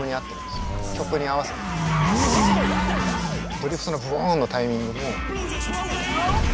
ドリフトのブオンのタイミングも。